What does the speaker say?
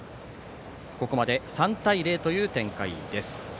ここまで３対０という展開です。